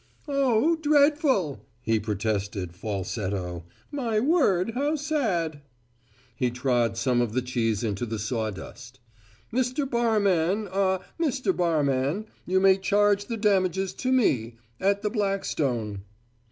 "Oh, dreadful!" he protested, falsetto. "My word, how sad!" He trod some of the cheese into the sawdust. "Mr. Barman, ah, Mr. Barman, you may charge the damages to me at the Blackstone."